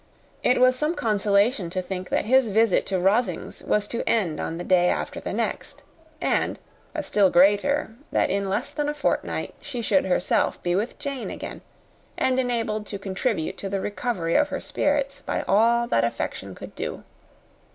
It was some consolation to think that his visit to Rosings was to end on the day after the next, and a still greater that in less than a fortnight she should herself be with Jane again, and enabled to contribute to the recovery of her spirits, by all that affection could do.